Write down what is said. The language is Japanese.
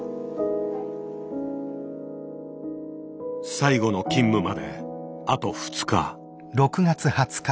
最後の勤務まであと２日。